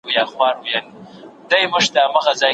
د ده د عصر نورو شاعرانو بېل مضامین درلودل.